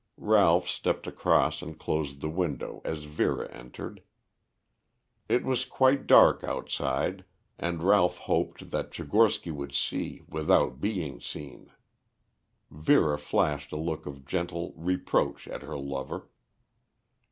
Ralph stepped across and closed the window as Vera entered. It was quite dark outside, and Ralph hoped that Tchigorsky would see without being seen. Vera flashed a look of gentle reproach at her lover.